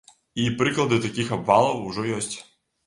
І прыклады такіх абвалаў ужо ёсць.